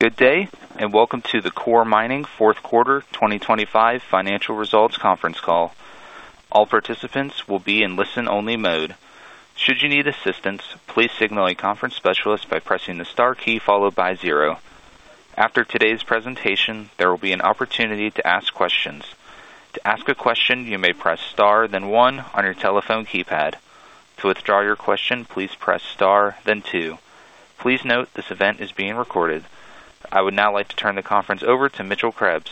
Good day, and welcome to the Coeur Mining fourth quarter 2025 financial results conference call. All participants will be in listen-only mode. Should you need assistance, please signal a conference specialist by pressing the star key followed by zero. After today's presentation, there will be an opportunity to ask questions. To ask a question, you may press Star, then one on your telephone keypad. To withdraw your question, please press Star, then two. Please note, this event is being recorded. I would now like to turn the conference over to Mitchell Krebs.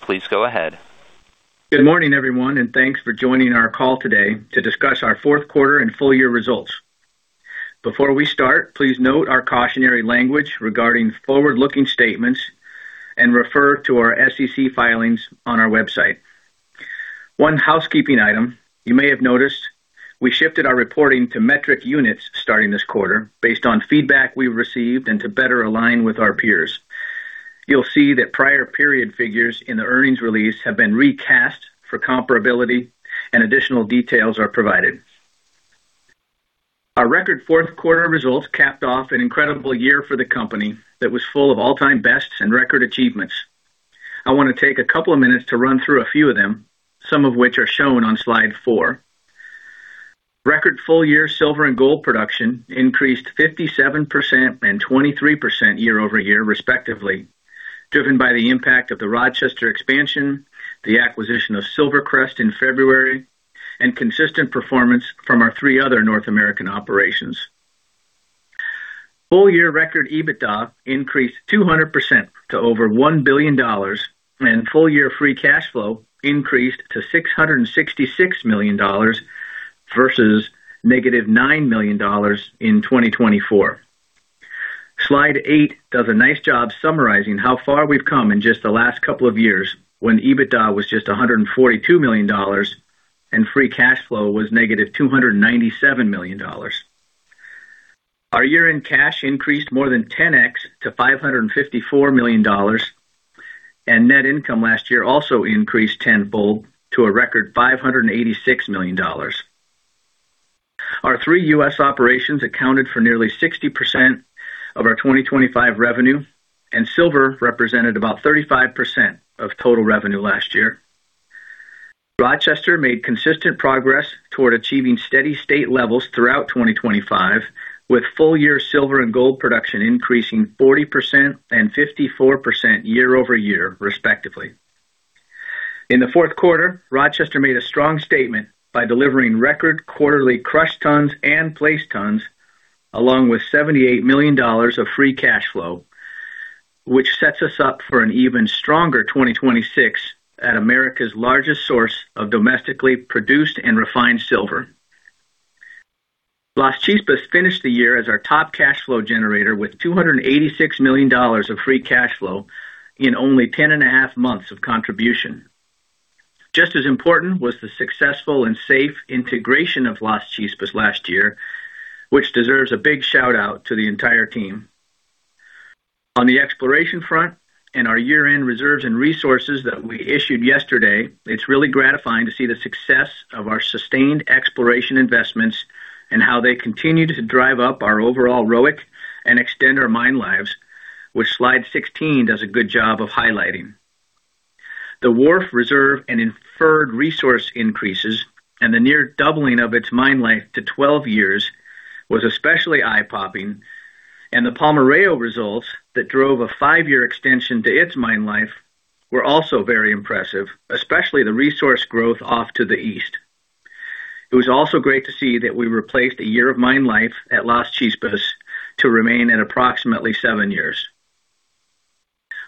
Please go ahead. Good morning, everyone, and thanks for joining our call today to discuss our fourth quarter and full-year results. Before we start, please note our cautionary language regarding forward-looking statements and refer to our SEC filings on our website. One housekeeping item, you may have noticed we shifted our reporting to metric units starting this quarter, based on feedback we've received and to better align with our peers. You'll see that prior period figures in the earnings release have been recast for comparability and additional details are provided. Our record fourth quarter results capped off an incredible year for the company that was full of all-time bests and record achievements. I want to take a couple of minutes to run through a few of them, some of which are shown on slide four. Record full-year silver and gold production increased 57% and 23% year-over-year, respectively, driven by the impact of the Rochester expansion, the acquisition of SilverCrest in February, and consistent performance from our three other North American operations. full-year record EBITDA increased 200% to over $1 billion, and full-year free cash flow increased to $666 million, versus -$9 million in 2024. Slide eight does a nice job summarizing how far we've come in just the last couple of years, when EBITDA was just $142 million and free cash flow was -$297 million. Our year-end cash increased more than 10x to $554 million, and net income last year also increased tenfold to a record $586 million. Our three U.S. operations accounted for nearly 60% of our 2025 revenue, and silver represented about 35% of total revenue last year. Rochester made consistent progress toward achieving steady state levels throughout 2025, with full-year silver and gold production increasing 40% and 54% year-over-year, respectively. In the fourth quarter, Rochester made a strong statement by delivering record quarterly crushed tons and placed tons, along with $78 million of free cash flow, which sets us up for an even stronger 2026 at America's largest source of domestically produced and refined silver. Las Chispas finished the year as our top cash flow generator, with $286 million of free cash flow in only 10 and a half months of contribution. Just as important was the successful and safe integration of Las Chispas last year, which deserves a big shout out to the entire team. On the exploration front and our year-end reserves and resources that we issued yesterday, it's really gratifying to see the success of our sustained exploration investments and how they continue to drive up our overall ROIC and extend our mine lives, which slide 16 does a good job of highlighting. The Wharf reserve and inferred resource increases and the near doubling of its mine life to 12 years was especially eye-popping, and the Palmarejo results that drove a five-year extension to its mine life were also very impressive, especially the resource growth off to the east. It was also great to see that we replaced a year of mine life at Las Chispas to remain at approximately seven years.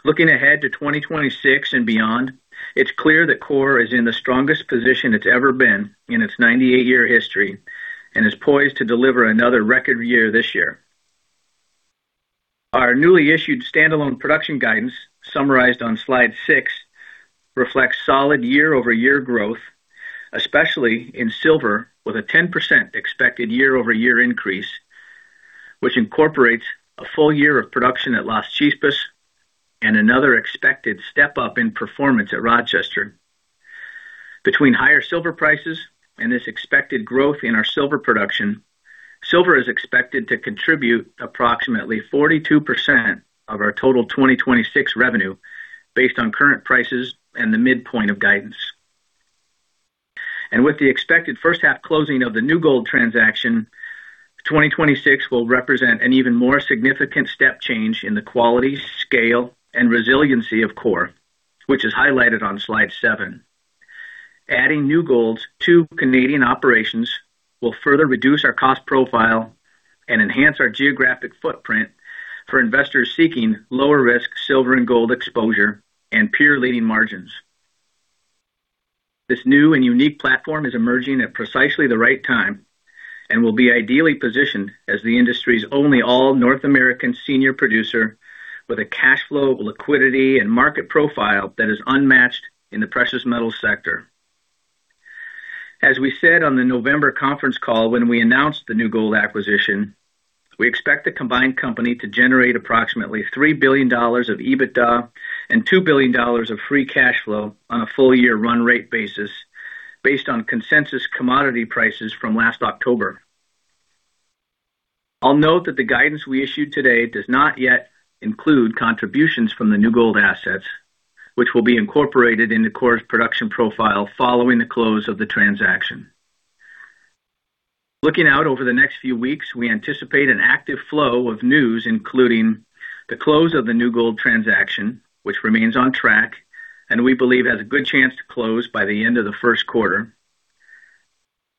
Looking ahead to 2026 and beyond, it's clear that Coeur is in the strongest position it's ever been in its 98-year history and is poised to deliver another record year this year. Our newly issued standalone production guidance, summarized on slide six, reflects solid year-over-year growth, especially in silver, with a 10% expected year-over-year increase, which incorporates a full-year of production at Las Chispas and another expected step up in performance at Rochester. Between higher silver prices and this expected growth in our silver production, silver is expected to contribute approximately 42% of our total 2026 revenue, based on current prices and the midpoint of guidance. With the expected first half closing of the New Gold transaction, 2026 will represent an even more significant step change in the quality, scale, and resiliency of Coeur, which is highlighted on slide seven. Adding New Gold's two Canadian operations will further reduce our cost profile and enhance our geographic footprint for investors seeking lower risk silver and gold exposure and peer-leading margins. This new and unique platform is emerging at precisely the right time and will be ideally positioned as the industry's only all North American senior producer with a cash flow of liquidity and market profile that is unmatched in the precious metal sector. As we said on the November conference call when we announced the New Gold acquisition, we expect the combined company to generate approximately $3 billion of EBITDA and $2 billion of free cash flow on a full-year run rate basis, based on consensus commodity prices from last October. I'll note that the guidance we issued today does not yet include contributions from the New Gold assets, which will be incorporated in the Coeur's production profile following the close of the transaction. Looking out over the next few weeks, we anticipate an active flow of news, including the close of the New Gold transaction, which remains on track and we believe has a good chance to close by the end of the first quarter.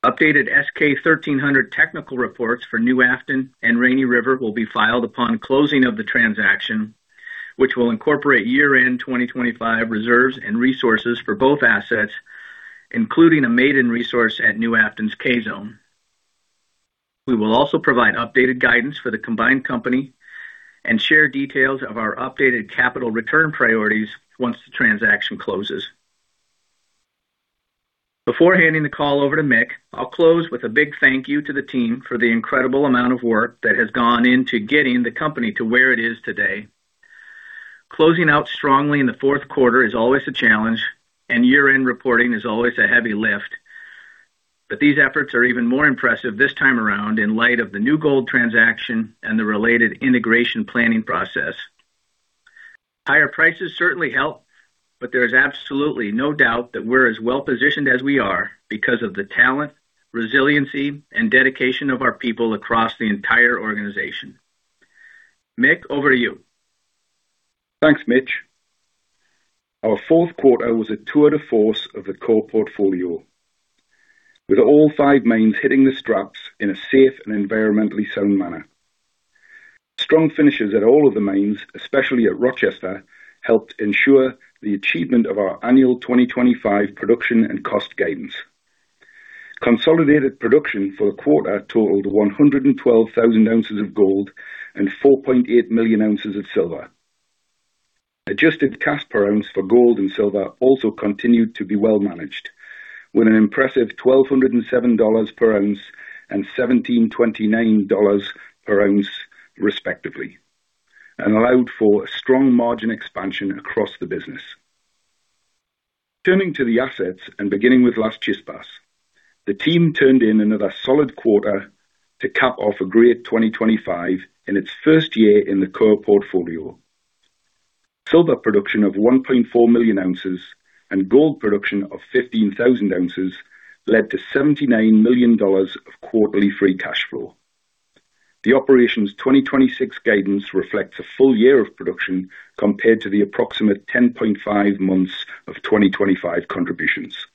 Updated SK-1300 technical reports for New Afton and Rainy River will be filed upon closing of the transaction, which will incorporate year-end 2025 reserves and resources for both assets, including a maiden resource at New Afton's C-Zone. We will also provide updated guidance for the combined company and share details of our updated capital return priorities once the transaction closes. Before handing the call over to Mick, I'll close with a big thank you to the team for the incredible amount of work that has gone into getting the company to where it is today. Closing out strongly in the fourth quarter is always a challenge, and year-end reporting is always a heavy lift. But these efforts are even more impressive this time around in light of the New Gold transaction and the related integration planning process. Higher prices certainly help, but there is absolutely no doubt that we're as well positioned as we are because of the talent, resiliency, and dedication of our people across the entire organization. Mick, over to you. Thanks, Mitch. Our fourth quarter was a tour de force of the core portfolio, with all five mines hitting the straps in a safe and environmentally sound manner. Strong finishes at all of the mines, especially at Rochester, helped ensure the achievement of our annual 2025 production and cost gains. Consolidated production for the quarter totaled 112,000 ounces of gold and 4.8 million ounces of silver. Adjusted cash per ounce for gold and silver also continued to be well managed, with an impressive $1,207 per ounce and $1,729 per ounce, respectively, and allowed for a strong margin expansion across the business. Turning to the assets and beginning with Las Chispas, the team turned in another solid quarter to cap off a great 2025 in its first year in the core portfolio. Silver production of 1.4 million ounces and gold production of 15,000 ounces led to $79 million of quarterly free cash flow. The operations' 2026 guidance reflects a full-year of production compared to the approximate 10.5 months of 2025 contributions.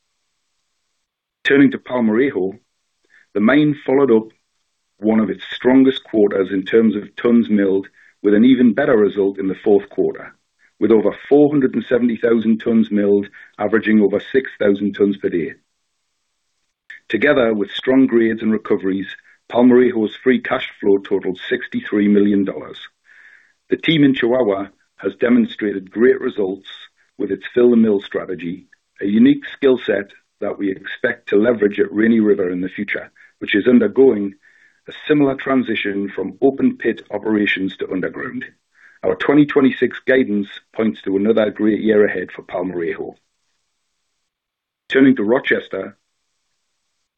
Turning to Palmarejo, the mine followed up one of its strongest quarters in terms of tons milled, with an even better result in the fourth quarter, with over 470,000 tons milled, averaging over 6,000 tons per day. Together with strong grades and recoveries, Palmarejo's free cash flow totaled $63 million. The team in Chihuahua has demonstrated great results with its fill-the-mill strategy, a unique skill set that we expect to leverage at Rainy River in the future, which is undergoing a similar transition from open pit operations to underground. Our 2026 guidance points to another great year ahead for Palmarejo. Turning to Rochester,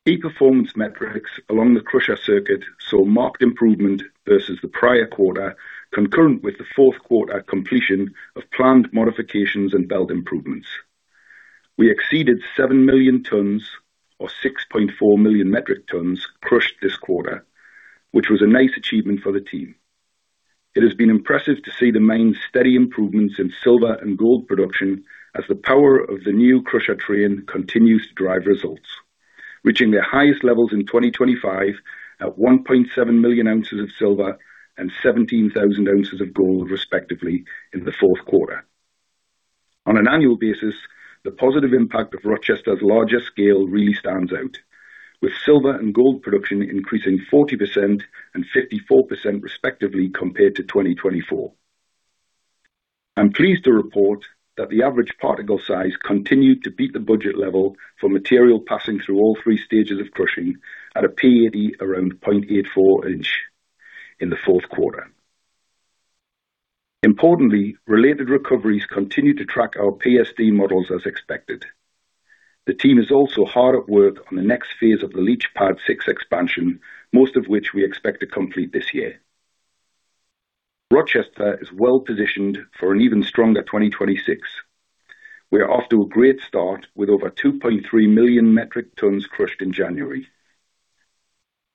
key performance metrics along the crusher circuit saw marked improvement versus the prior quarter, concurrent with the fourth quarter completion of planned modifications and belt improvements. We exceeded 7 million tons or 6.4 million metric tons crushed this quarter, which was a nice achievement for the team. It has been impressive to see the main steady improvements in silver and gold production as the power of the new crusher train continues to drive results, reaching their highest levels in 2025 at 1.7 million ounces of silver and 17,000 ounces of gold, respectively, in the fourth quarter. On an annual basis, the positive impact of Rochester's larger scale really stands out, with silver and gold production increasing 40% and 54%, respectively, compared to 2024. I'm pleased to report that the average particle size continued to beat the budget level for material passing through all three stages of crushing at a P80 around 0.84 inch in the fourth quarter. Importantly, related recoveries continue to track our PSD models as expected. The team is also hard at work on the next phase of the leach pad 6 expansion, most of which we expect to complete this year. Rochester is well positioned for an even stronger 2026. We are off to a great start, with over 2.3 million metric tons crushed in January.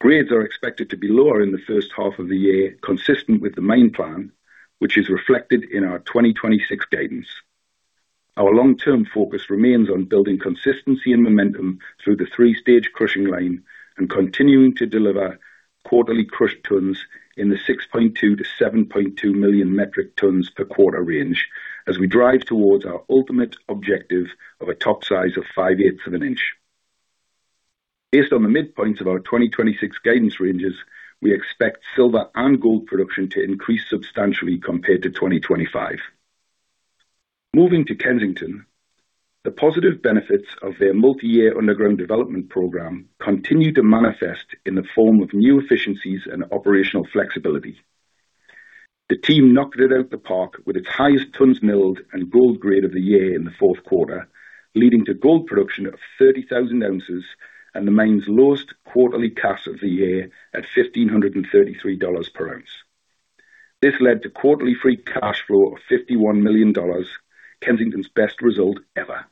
Grades are expected to be lower in the first half of the year, consistent with the mine plan, which is reflected in our 2026 guidance. Our long-term focus remains on building consistency and momentum through the three-stage crushing line and continuing to deliver quarterly crushed tons in the 6.2-7.2 million metric tons per quarter range as we drive towards our ultimate objective of a top size of 5/8 of an inch. Based on the midpoints of our 2026 guidance ranges, we expect silver and gold production to increase substantially compared to 2025. Moving to Kensington, the positive benefits of their multi-year underground development program continue to manifest in the form of new efficiencies and operational flexibility. The team knocked it out of the park with its highest tons milled and gold grade of the year in the fourth quarter, leading to gold production of 30,000 ounces and the mine's lowest quarterly cost of the year at $1,533 per ounce. This led to quarterly free cash flow of $51 million, Kensington's best result ever.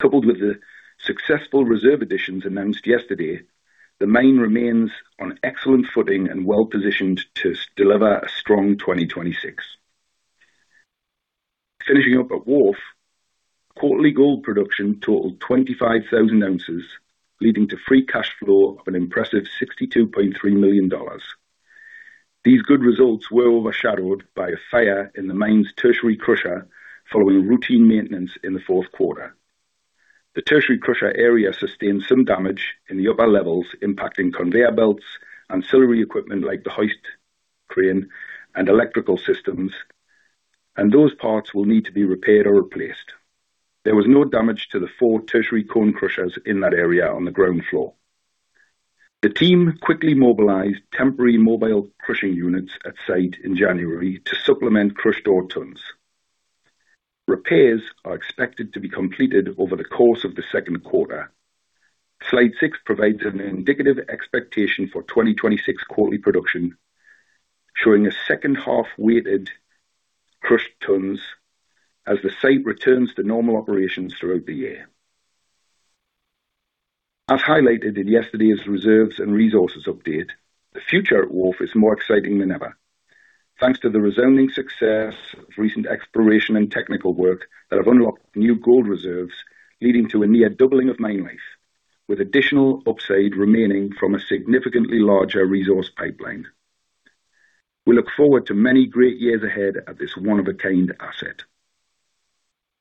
Coupled with the successful reserve additions announced yesterday, the mine remains on excellent footing and well-positioned to deliver a strong 2026. Finishing up at Wharf, quarterly gold production totaled 25,000 ounces, leading to free cash flow of an impressive $62.3 million. These good results were overshadowed by a fire in the mine's tertiary crusher following routine maintenance in the fourth quarter. The tertiary crusher area sustained some damage in the upper levels, impacting conveyor belts, ancillary equipment like the hoist, crane, and electrical systems, and those parts will need to be repaired or replaced. There was no damage to the four tertiary cone crushers in that area on the ground floor. The team quickly mobilized temporary mobile crushing units at site in January to supplement crushed ore tons. Repairs are expected to be completed over the course of the second quarter. Slide 6 provides an indicative expectation for 2026 quarterly production, showing a second half-weighted crushed tons as the site returns to normal operations throughout the year. As highlighted in yesterday's reserves and resources update, the future at Wharf is more exciting than ever. Thanks to the rezoning success of recent exploration and technical work that have unlocked new gold reserves, leading to a near doubling of mine life, with additional upside remaining from a significantly larger resource pipeline. We look forward to many great years ahead at this one-of-a-kind asset.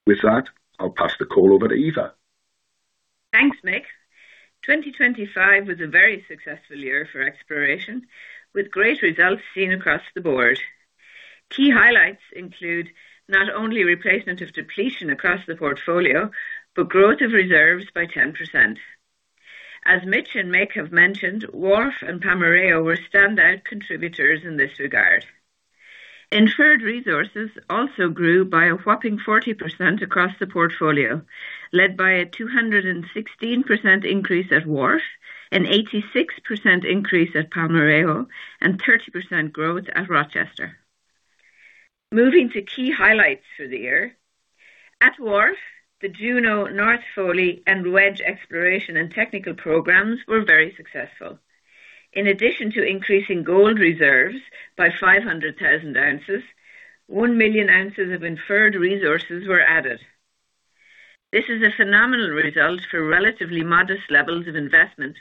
With that, I'll pass the call over to Aoife. Thanks, Mick. 2025 was a very successful year for exploration, with great results seen across the board. Key highlights include not only replacement of depletion across the portfolio, but growth of reserves by 10%. As Mitch and Mick have mentioned, Wharf and Palmarejo were standout contributors in this regard. Inferred resources also grew by a whopping 40% across the portfolio, led by a 216% increase at Wharf, an 86% increase at Palmarejo, and 30% growth at Rochester. Moving to key highlights for the year. At Wharf, the Juno, North Foley, and Wedge exploration and technical programs were very successful. In addition to increasing gold reserves by 500,000 ounces, 1,000,000 ounces of inferred resources were added. This is a phenomenal result for relatively modest levels of investment,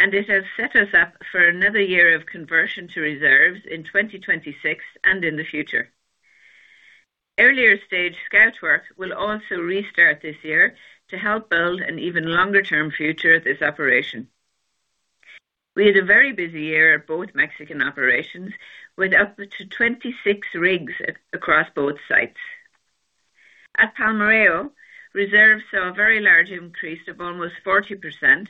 and it has set us up for another year of conversion to reserves in 2026 and in the future. Earlier stage scout work will also restart this year to help build an even longer-term future at this operation. We had a very busy year at both Mexican operations, with up to 26 rigs across both sites. At Palmarejo, reserves saw a very large increase of almost 40%,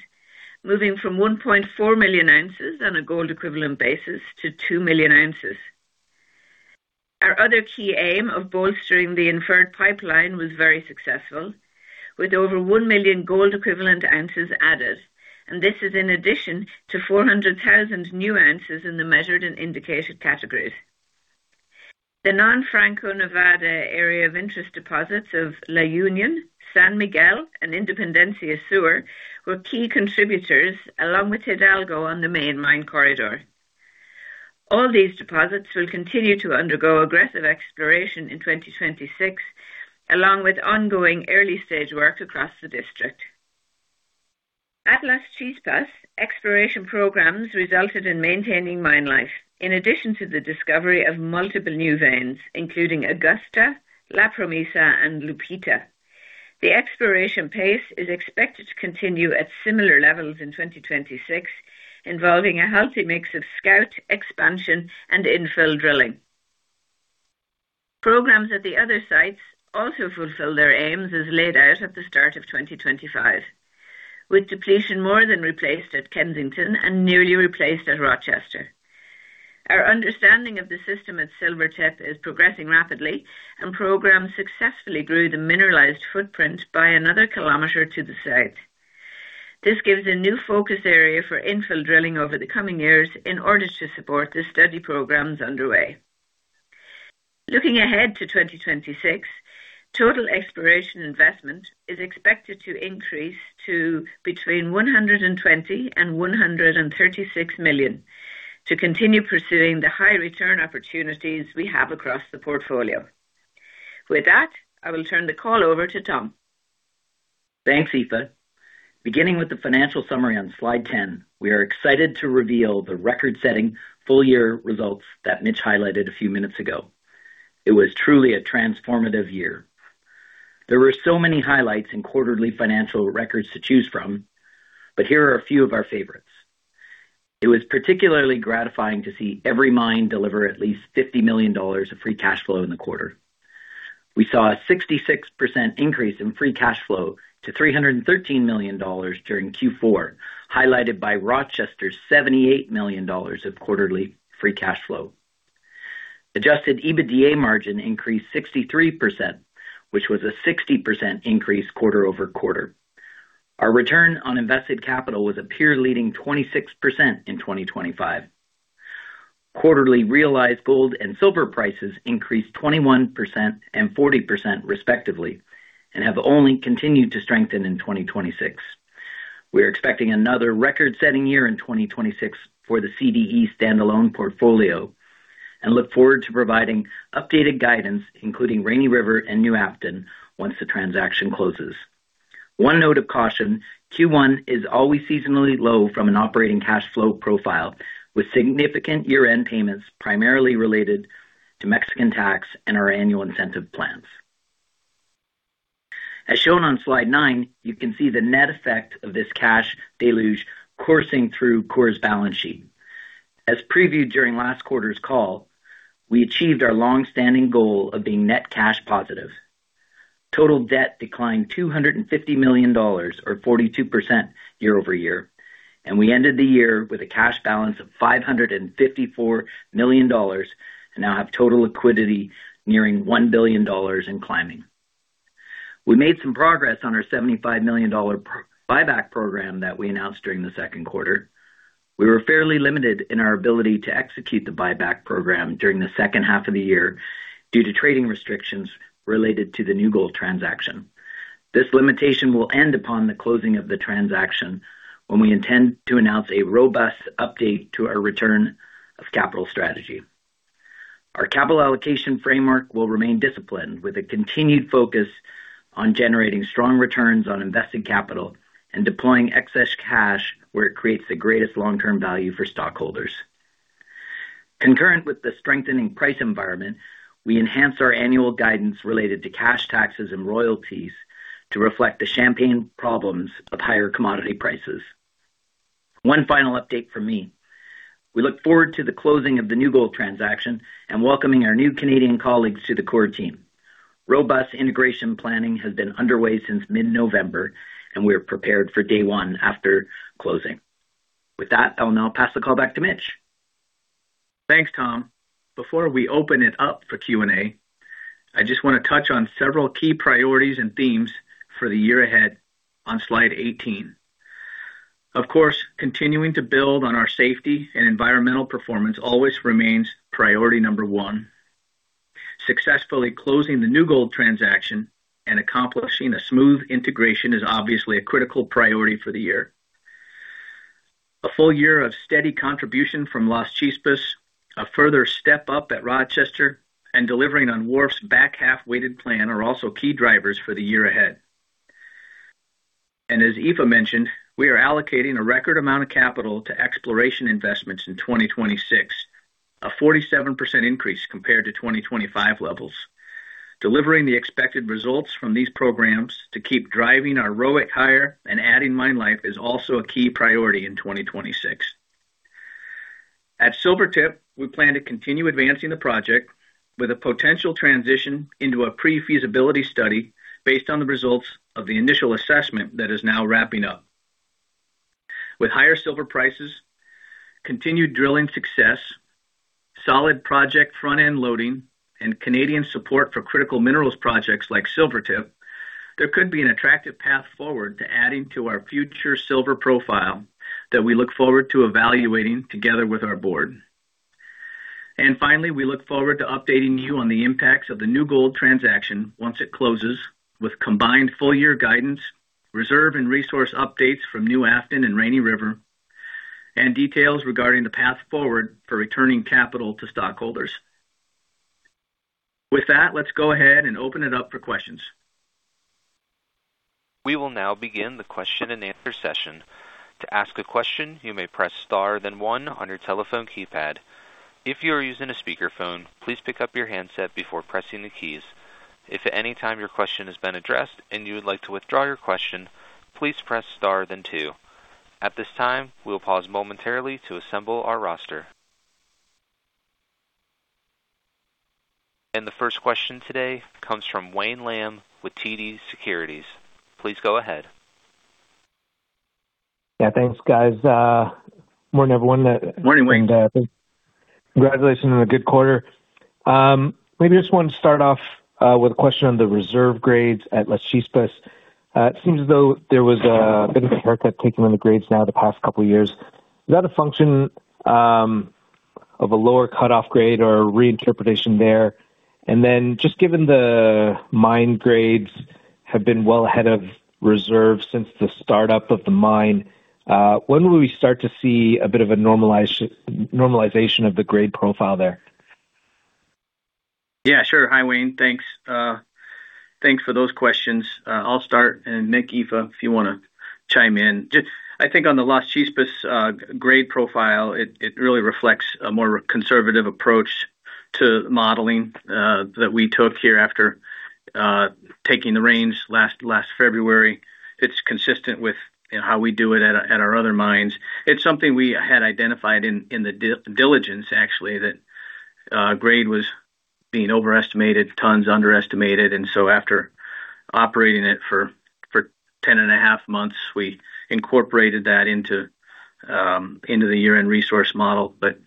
moving from 1.4 million ounces on a gold equivalent basis to 2 million ounces. Our other key aim of bolstering the inferred pipeline was very successful, with over 1 million gold equivalent ounces added, and this is in addition to 400,000 new ounces in the measured and indicated categories. The non-Franco-Nevada area of interest deposits of La Union, San Miguel, and Independencia Sur were key contributors, along with Hidalgo on the main mine corridor. All these deposits will continue to undergo aggressive exploration in 2026, along with ongoing early-stage work across the district. At Las Chispas, exploration programs resulted in maintaining mine life, in addition to the discovery of multiple new veins, including Augusta, La Promesa, and Lupita. The exploration pace is expected to continue at similar levels in 2026, involving a healthy mix of scout, expansion, and infill drilling. Programs at the other sites also fulfilled their aims as laid out at the start of 2025, with depletion more than replaced at Kensington and nearly replaced at Rochester. Our understanding of the system at Silvertip is progressing rapidly, and programs successfully grew the mineralized footprint by another kilometer to the south. This gives a new focus area for infill drilling over the coming years in order to support the study programs underway. Looking ahead to 2026, total exploration investment is expected to increase to between $120 million and $136 million to continue pursuing the high return opportunities we have across the portfolio. With that, I will turn the call over to Tom. Thanks, Aoife. Beginning with the financial summary on slide 10, we are excited to reveal the record-setting full-year results that Mitch highlighted a few minutes ago. It was truly a transformative year. There were so many highlights and quarterly financial records to choose from, but here are a few of our favorites. It was particularly gratifying to see every mine deliver at least $50 million of free cash flow in the quarter. We saw a 66% increase in free cash flow to $313 million during Q4, highlighted by Rochester's $78 million of quarterly free cash flow. Adjusted EBITDA margin increased 63%, which was a 60% increase quarter-over-quarter. Our return on invested capital was a peer-leading 26% in 2025. Quarterly realized gold and silver prices increased 21% and 40%, respectively, and have only continued to strengthen in 2026. We are expecting another record-setting year in 2026 for the CDE standalone portfolio, and look forward to providing updated guidance, including Rainy River and New Afton, once the transaction closes. One note of caution, Q1 is always seasonally low from an operating cash flow profile, with significant year-end payments, primarily related to Mexican tax and our annual incentive plans. As shown on slide nine, you can see the net effect of this cash deluge coursing through Coeur's balance sheet. As previewed during last quarter's call, we achieved our long-standing goal of being net cash positive. Total debt declined $250 million, or 42% year-over-year, and we ended the year with a cash balance of $554 million, and now have total liquidity nearing $1 billion and climbing. We made some progress on our $75 million share buyback program that we announced during the second quarter. We were fairly limited in our ability to execute the buyback program during the second half of the year due to trading restrictions related to the New Gold transaction. This limitation will end upon the closing of the transaction, when we intend to announce a robust update to our return of capital strategy. Our capital allocation framework will remain disciplined, with a continued focus on generating strong returns on invested capital and deploying excess cash where it creates the greatest long-term value for stockholders. Concurrent with the strengthening price environment, we enhanced our annual guidance related to cash taxes and royalties to reflect the champagne problems of higher commodity prices. One final update from me: We look forward to the closing of the New Gold transaction and welcoming our new Canadian colleagues to the Coeur team. Robust integration planning has been underway since mid-November, and we are prepared for day one after closing. With that, I'll now pass the call back to Mitch. Thanks, Tom. Before we open it up for Q&A, I just want to touch on several key priorities and themes for the year ahead on slide 18. Of course, continuing to build on our safety and environmental performance always remains priority number one. Successfully closing the New Gold transaction and accomplishing a smooth integration is obviously a critical priority for the year. A full-year of steady contribution from Las Chispas, a further step up at Rochester, and delivering on Wharf's back-half weighted plan are also key drivers for the year ahead. And as Aoife mentioned, we are allocating a record amount of capital to exploration investments in 2026, a 47% increase compared to 2025 levels. Delivering the expected results from these programs to keep driving our ROIC higher and adding mine life is also a key priority in 2026. At Silvertip, we plan to continue advancing the project with a potential transition into a pre-feasibility study based on the results of the initial assessment that is now wrapping up. With higher silver prices, continued drilling success, solid project front-end loading, and Canadian support for critical minerals projects like Silvertip, there could be an attractive path forward to adding to our future silver profile that we look forward to evaluating together with our board. And finally, we look forward to updating you on the impacts of the New Gold transaction once it closes, with combined full-year guidance, reserve and resource updates from New Afton and Rainy River, and details regarding the path forward for returning capital to stockholders. With that, let's go ahead and open it up for questions. We will now begin the question-and-answer session. To ask a question, you may press star, then one on your telephone keypad. If you are using a speakerphone, please pick up your handset before pressing the keys. If at any time your question has been addressed and you would like to withdraw your question, please press star, then two. At this time, we will pause momentarily to assemble our roster. The first question today comes from Wayne Lam with TD Securities. Please go ahead. Yeah, thanks, guys. Morning, everyone. Morning, Wayne. Congratulations on a good quarter. Maybe I just wanted to start off with a question on the reserve grades at Las Chispas. It seems as though there was a bit of a haircut taken on the grades now the past couple of years. Is that a function of a lower cut-off grade or a reinterpretation there? And then, just given the mine grades have been well ahead of reserves since the startup of the mine, when will we start to see a bit of a normalization of the grade profile there? Yeah, sure. Hi, Wayne. Thanks. Thanks for those questions. I'll start and Mick, Aoife, if you want to chime in. Just, I think on the Las Chispas grade profile, it really reflects a more conservative approach to modeling that we took here after taking the reins last February. It's consistent with, you know, how we do it at our other mines. It's something we had identified in the diligence, actually, that grade was being overestimated, tons underestimated, and so after operating it for 10.5 months, we incorporated that into the year-end resource model. But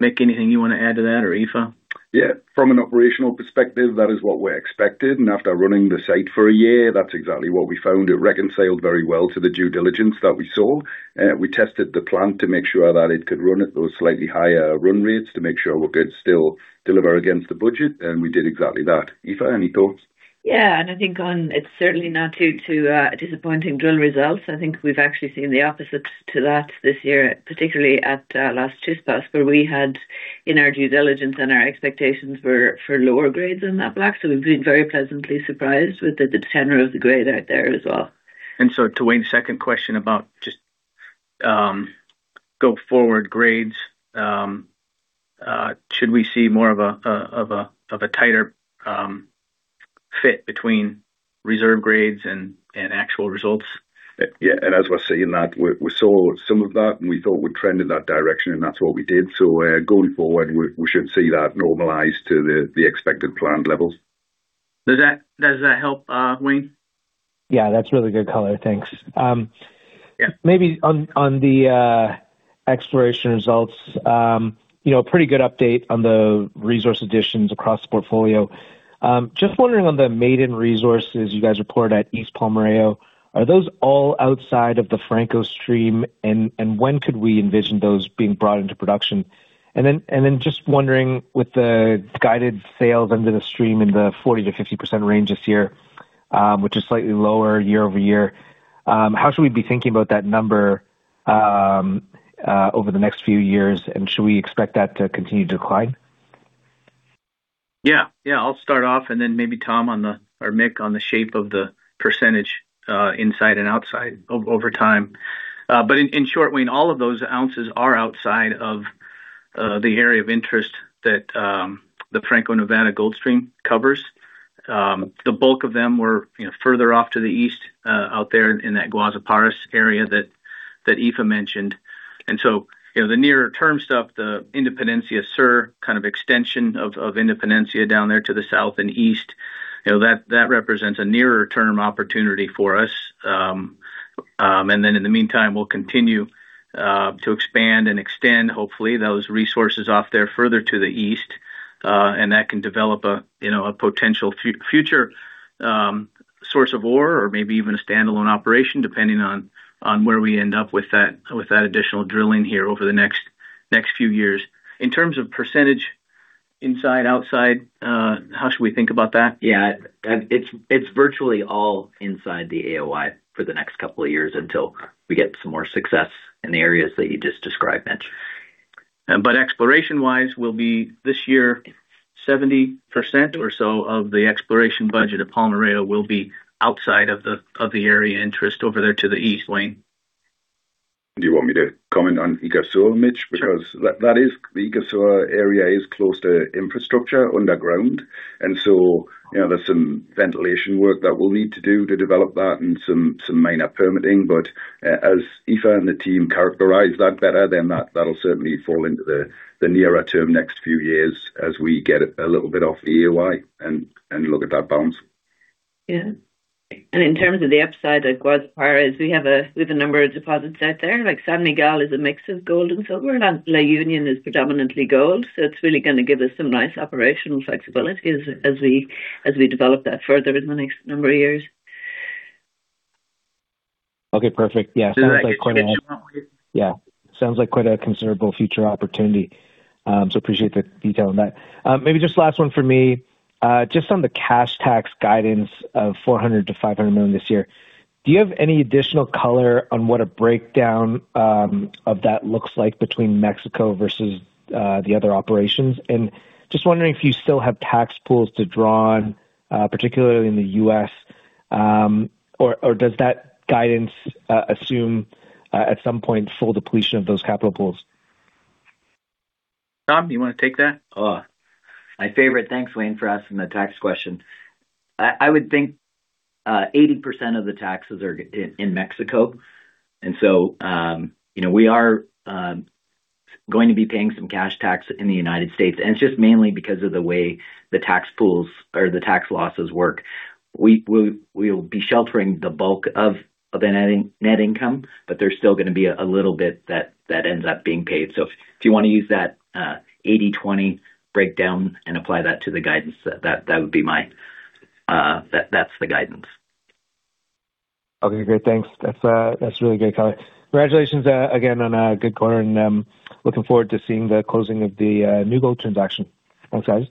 Mick, anything you wanna add to that, or Aoife? Yeah, from an operational perspective, that is what we expected, and after running the site for a year, that's exactly what we found. It reconciled very well to the due diligence that we saw. We tested the plant to make sure that it could run at those slightly higher run rates, to make sure we could still deliver against the budget, and we did exactly that. Aoife, any thoughts? Yeah, and I think on it, it's certainly not due to disappointing drill results. I think we've actually seen the opposite to that this year, particularly at Las Chispas, where we had in our due diligence and our expectations were for lower grades than that block. So we've been very pleasantly surprised with the tenor of the grade out there as well. To Wayne's second question about just go-forward grades, should we see more of a tighter fit between reserve grades and actual results? Yeah, and as we're seeing that, we saw some of that and we thought we'd trend in that direction, and that's what we did. So, going forward, we should see that normalize to the expected planned levels. Does that, does that help, Wayne? Yeah, that's really good color. Thanks. Yeah. Maybe on the exploration results, you know, pretty good update on the resource additions across the portfolio. Just wondering on the maiden resources you guys reported at East Palmarejo, are those all outside of the Franco stream? And when could we envision those being brought into production? And then just wondering, with the guided sales under the stream in the 40%-50% range this year, which is slightly lower year-over-year, how should we be thinking about that number over the next few years? And should we expect that to continue to decline? Yeah. Yeah, I'll start off, and then maybe Tom on the, or Mick, on the shape of the percentage, inside and outside over time. But in short, Wayne, all of those ounces are outside of the area of interest that the Franco-Nevada Gold Stream covers. The bulk of them were, you know, further off to the east, out there in that Guazapares area that Aoife mentioned. And so, you know, the nearer term stuff, the Independencia Sur, kind of, extension of Independencia down there to the south and east, you know, that represents a nearer term opportunity for us. And then in the meantime, we'll continue to expand and extend, hopefully, those resources off there further to the east, and that can develop a, you know, a potential future source of ore, or maybe even a standalone operation, depending on where we end up with that, with that additional drilling here over the next few years. In terms of percentage inside, outside, how should we think about that? Yeah, it's virtually all inside the AOI for the next couple of years, until we get some more success in the areas that you just described, Mitch. But exploration-wise, we'll be, this year, 70% or so of the exploration budget of Palmarejo will be outside of the area of interest over there to the east, Wayne. Do you want me to comment on Augusta, Mitch? Sure. Because that is. The Augusta area is close to infrastructure underground, and so, you know, there's some ventilation work that we'll need to do to develop that and some minor permitting. But as Aoife and the team characterize that better, then that'll certainly fall into the nearer term, next few years, as we get a little bit off the AOI and look at that bounds. Yeah. And in terms of the upside at Guazapares, we have a number of deposits out there, like San Miguel is a mix of gold and silver, and La Union is predominantly gold, so it's really gonna give us some nice operational flexibility as we develop that further in the next number of years. Okay, perfect. Yeah, sounds like quite a considerable future opportunity. So appreciate the detail on that. Maybe just last one from me. Just on the cash tax guidance of $400-$500 million this year, do you have any additional color on what a breakdown of that looks like between Mexico versus the other operations? And just wondering if you still have tax pools to draw on, particularly in the U.S., or does that guidance assume at some point full depletion of those capital pools? Tom, you wanna take that? Oh, my favorite. Thanks, Wayne, for asking the tax question. I would think 80% of the taxes are going in Mexico, and so, you know, we are going to be paying some cash tax in the United States, and it's just mainly because of the way the tax pools or the tax losses work. We'll be sheltering the bulk of the net income, but there's still gonna be a little bit that ends up being paid. So if you wanna use that 80/20 breakdown and apply that to the guidance, that would be my. That's the guidance. Okay, great. Thanks. That's really great color. Congratulations again on a good quarter, and looking forward to seeing the closing of the New Gold transaction. Thanks, guys.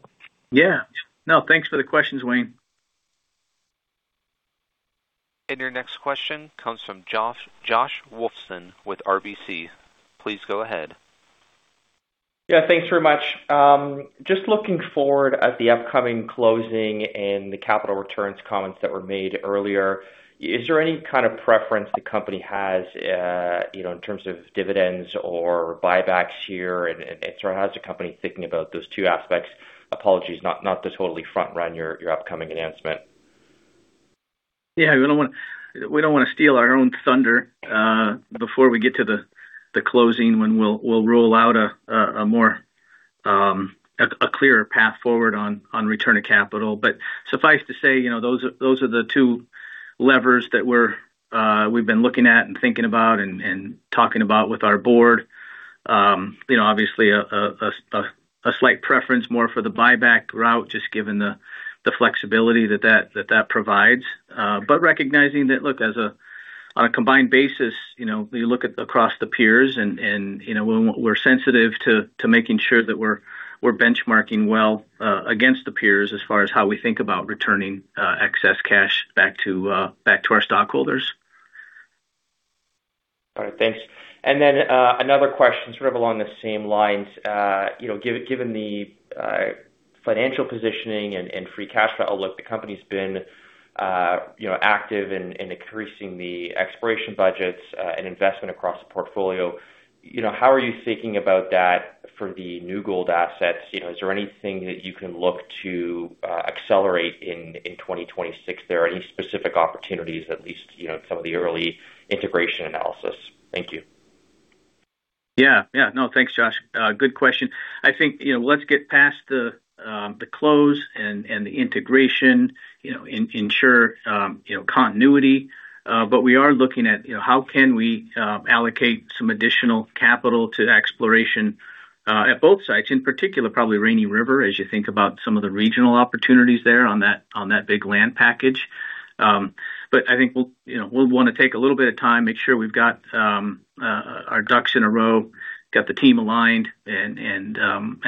Yeah. No, thanks for the questions, Wayne. Your next question comes from Josh, Josh Wolfson with RBC. Please go ahead. Yeah, thanks very much. Just looking forward at the upcoming closing and the capital returns comments that were made earlier, is there any kind of preference the company has, you know, in terms of dividends or buybacks here, and, and sort of how is the company thinking about those two aspects? Apologies, not, not to totally front-run your, your upcoming announcement.... Yeah, we don't wanna steal our own thunder before we get to the closing, when we'll roll out a more, a clearer path forward on return of capital. But suffice to say, you know, those are the two levers that we're, we've been looking at, and thinking about, and talking about with our board. You know, obviously a slight preference more for the buyback route, just given the flexibility that that provides. But recognizing that, look, as on a combined basis, you know, you look at across the peers and, you know, we're sensitive to making sure that we're benchmarking well against the peers as far as how we think about returning excess cash back to our stockholders. All right. Thanks. And then another question sort of along the same lines. You know, given the financial positioning and free cash flow, look, the company's been, you know, active in increasing the exploration budgets and investment across the portfolio. You know, how are you thinking about that for the New Gold assets? You know, is there anything that you can look to accelerate in 2026 there? Are there any specific opportunities, at least, you know, in some of the early integration analysis? Thank you. Yeah. Yeah. No, thanks, Josh. Good question. I think, you know, let's get past the close and the integration, you know, ensure continuity. But we are looking at, you know, how can we allocate some additional capital to exploration at both sites, in particular, probably Rainy River, as you think about some of the regional opportunities there on that big land package. But I think we'll, you know, we'll wanna take a little bit of time, make sure we've got our ducks in a row, got the team aligned, and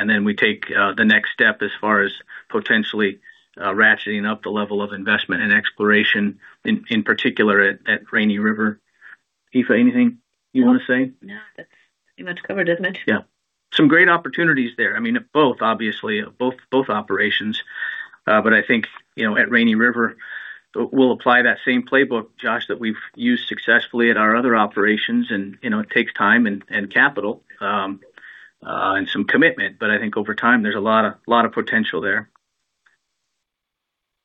then we take the next step as far as potentially ratcheting up the level of investment and exploration, in particular at Rainy River. Aoife, anything you want to say? No, that's pretty much covered, isn't it? Yeah. Some great opportunities there. I mean, both operations obviously, but I think, you know, at Rainy River, we'll apply that same playbook, Josh, that we've used successfully at our other operations, and, you know, it takes time and capital and some commitment, but I think over time, there's a lot of potential there.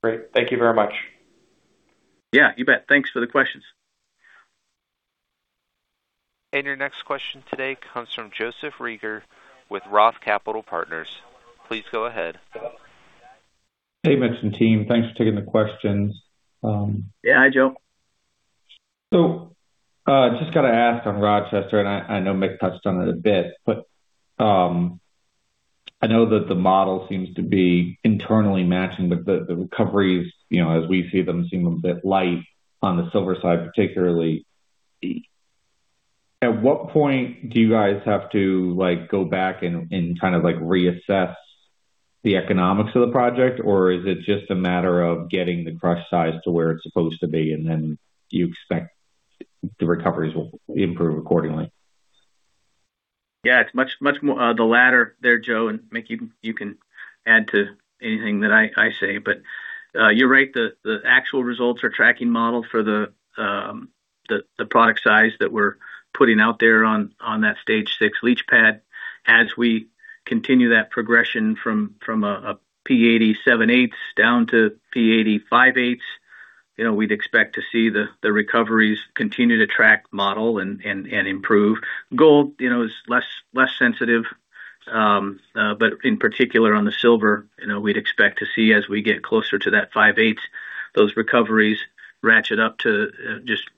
Great. Thank you very much. Yeah, you bet. Thanks for the questions. Your next question today comes from Joseph Reagor with Roth Capital Partners. Please go ahead. Hey, Mick and team. Thanks for taking the questions. Yeah. Hi, Joe. So, just gotta ask on Rochester, and I know Mick touched on it a bit, but I know that the model seems to be internally matching, but the recoveries, you know, as we see them, seem a bit light on the silver side, particularly. At what point do you guys have to, like, go back and kind of like reassess the economics of the project? Or is it just a matter of getting the crush size to where it's supposed to be, and then do you expect the recoveries will improve accordingly? Yeah, it's much, much more the latter there, Joe, and Mick, you can add to anything that I say, but you're right, the actual results are tracking model for the product size that we're putting out there on that stage 6 leach pad. As we continue that progression from a P80 7/8 down to P80 5/8, you know, we'd expect to see the recoveries continue to track model and improve. Gold, you know, is less sensitive, but in particular on the silver, you know, we'd expect to see as we get closer to that 5/8, those recoveries ratchet up to just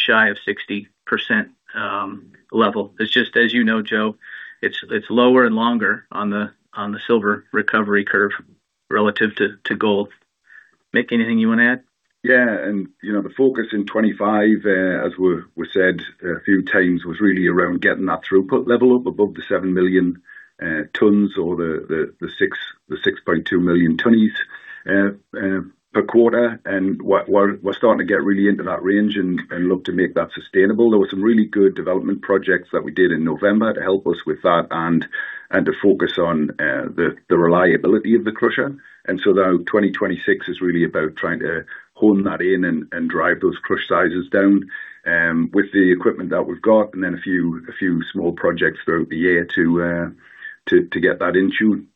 shy of 60% level. It's just as you know, Joe, it's lower and longer on the silver recovery curve, relative to gold. Mick, anything you want to add? Yeah, and, you know, the focus in 2025, as we said a few times, was really around getting that throughput level up above the 7 million tonnes or the 6.2 million tonnes per quarter. And we're starting to get really into that range and look to make that sustainable. There were some really good development projects that we did in November to help us with that and to focus on the reliability of the crusher. And so now, 2026 is really about trying to hone that in and drive those crush sizes down with the equipment that we've got, and then a few small projects throughout the year to get that in tune.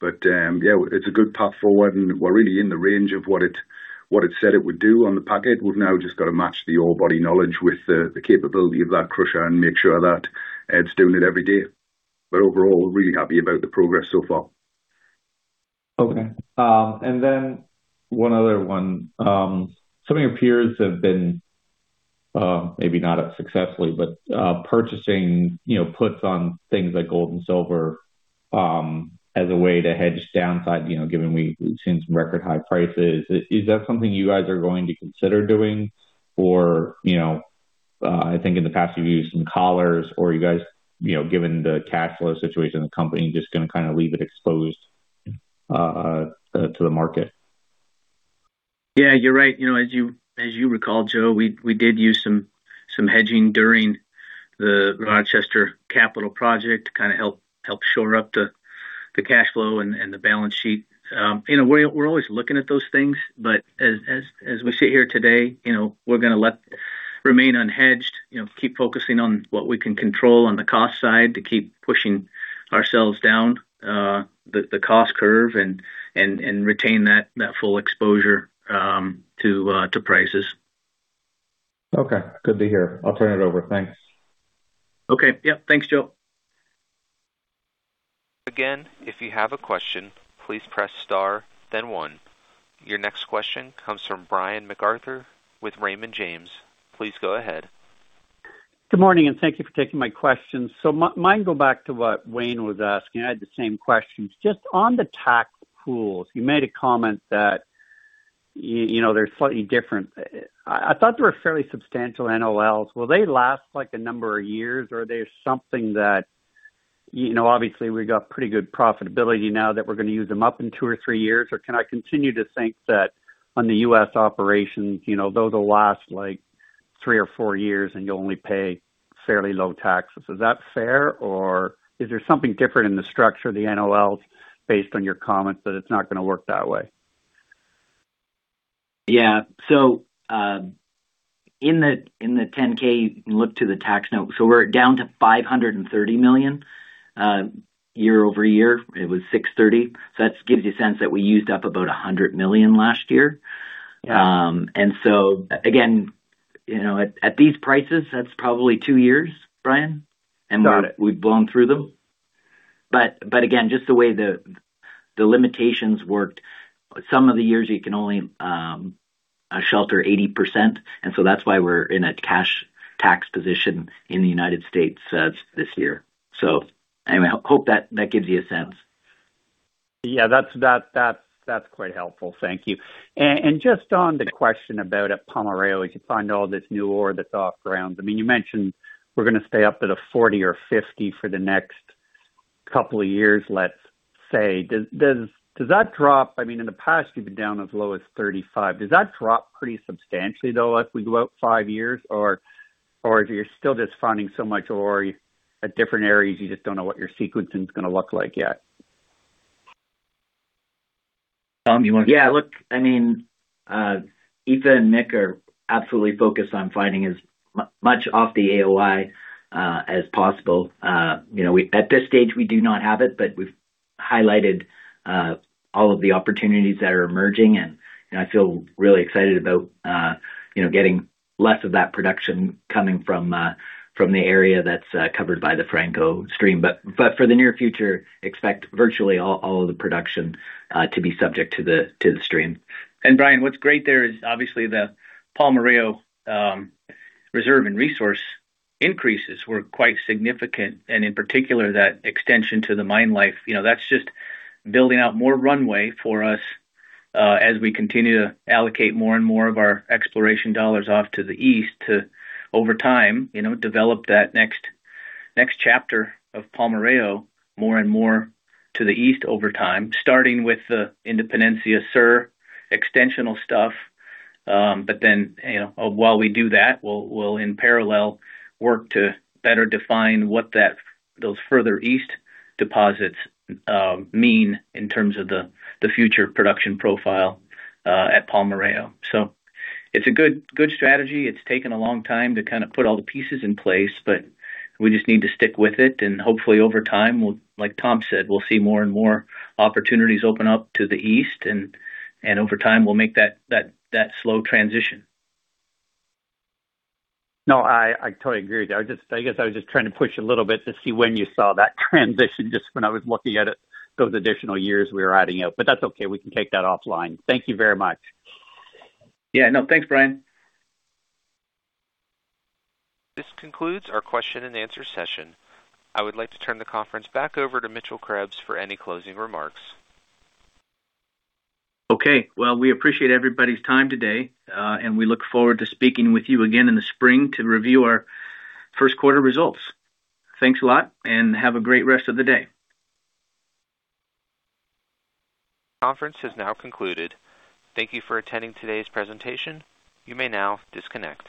Yeah, it's a good path forward, and we're really in the range of what it said it would do on the packet. We've now just got to match the ore body knowledge with the capability of that crusher and make sure that it's doing it every day. Overall, really happy about the progress so far. Okay. And then one other one. Some of your peers have been, maybe not as successfully, but, purchasing, you know, puts on things like gold and silver, as a way to hedge downside, you know, given we've seen some record high prices. Is that something you guys are going to consider doing? Or, you know, I think in the past you've used some collars or you guys, you know, given the cash flow situation of the company, just gonna kind of leave it exposed, to the market. Yeah, you're right. You know, as you recall, Joe, we did use some hedging during the Rochester capital project to kind of help shore up the cash flow and the balance sheet. You know, we're always looking at those things, but as we sit here today, you know, we're gonna remain unhedged, you know, keep focusing on what we can control on the cost side to keep pushing ourselves down the cost curve and retain that full exposure to prices. Okay, good to hear. I'll turn it over. Thanks. Okay. Yep. Thanks, Joe. Again, if you have a question, please press star, then one. Your next question comes from Brian MacArthur with Raymond James. Please go ahead. Good morning, and thank you for taking my questions. So mine go back to what Wayne was asking. I had the same questions. Just on the tax pools, you made a comment that you know, they're slightly different. I thought they were fairly substantial NOLs. Will they last, like, a number of years, or are they something that, you know, obviously, we've got pretty good profitability now that we're going to use them up in two or three years? Or can I continue to think that on the U.S. operations, you know, those will last, like, three or four years, and you'll only pay fairly low taxes? Is that fair, or is there something different in the structure of the NOLs based on your comments, that it's not going to work that way? Yeah. So, in the 10-K, you can look to the tax note. So we're down to $530 million, year-over-year, it was $630 million. So that gives you a sense that we used up about $100 million last year. Yeah. And so again, you know, at these prices, that's probably two years, Brian? Got it. We've blown through them. But again, just the way the limitations worked, some of the years you can only shelter 80%, and so that's why we're in a cash tax position in the United States this year. Anyway, I hope that gives you a sense. Yeah, that's quite helpful. Thank you. And just on the question about at Palmarejo, you find all this new ore that's off grounds. I mean, you mentioned we're gonna stay up at a 40 or 50 for the next couple of years, let's say. Does that dropfive I mean, in the past, you've been down as low as 35. Does that drop pretty substantially, though, as we go out 5 years? Or you're still just finding so much ore at different areas, you just don't know what your sequencing is gonna look like yet? Tom, you want- Yeah, look, I mean, Aoife and Mick are absolutely focused on finding as much off the AOI as possible. You know, we at this stage do not have it, but we've highlighted all of the opportunities that are emerging, and, you know, I feel really excited about, you know, getting less of that production coming from from the area that's covered by the Franco stream. But, but for the near future, expect virtually all, all of the production to be subject to the to the stream. Brian, what's great there is obviously the Palmarejo reserve and resource increases were quite significant, and in particular, that extension to the mine life. You know, that's just building out more runway for us, as we continue to allocate more and more of our exploration dollars off to the east, to over time, you know, develop that next, next chapter of Palmarejo more and more to the east over time, starting with the Independencia Sur extensional stuff. But then, you know, while we do that, we'll, we'll in parallel work to better define what that, those further east deposits mean in terms of the, the future production profile at Palmarejo. So it's a good, good strategy. It's taken a long time to kind of put all the pieces in place, but we just need to stick with it, and hopefully, over time, we'll. Like Tom said, we'll see more and more opportunities open up to the east and, over time, we'll make that slow transition. No, I totally agree. I just, I guess I was just trying to push a little bit to see when you saw that transition, just when I was looking at it, those additional years we were adding up. But that's okay. We can take that offline. Thank you very much. Yeah. No, thanks, Brian. This concludes our question and answer session. I would like to turn the conference back over to Mitchell Krebs for any closing remarks. Okay, well, we appreciate everybody's time today, and we look forward to speaking with you again in the spring to review our first quarter results. Thanks a lot, and have a great rest of the day. Conference has now concluded. Thank you for attending today's presentation. You may now disconnect.